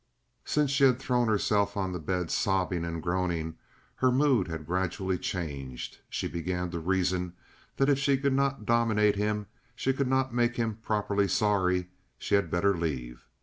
Since she had thrown herself on the bed sobbing and groaning, her mood had gradually changed; she began to reason that if she could not dominate him, could not make him properly sorry, she had better leave.